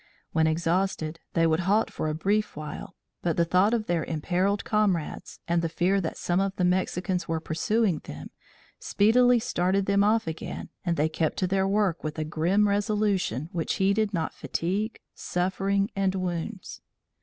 When exhausted, they would halt for a brief while, but the thought of their imperilled comrades, and the fear that some of the Mexicans were pursuing them, speedily started them off again and they kept to their work with a grim resolution which heeded not fatigue, suffering and wounds.